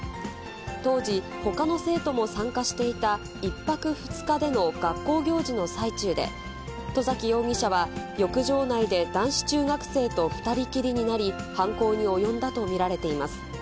当時、ほかの生徒も参加していた１泊２日での学校行事の最中で、外崎容疑者は、浴場内で男子中学生と２人きりになり、犯行に及んだと見られています。